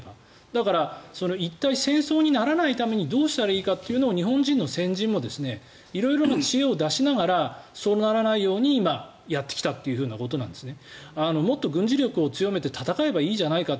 だから一体、戦争にならないためにどうしたらいいかというのを日本の先人も色々な知恵を出しながらそうならないように今、やってきたということなんですね。